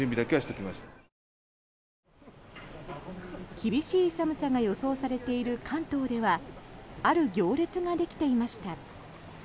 厳しい寒さが予想されている関東ではある行列ができていました。